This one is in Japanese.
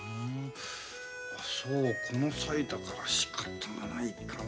あそうこの際だからしかたがないかなあ。